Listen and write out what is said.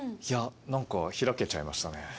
いやなんか開けちゃいましたね。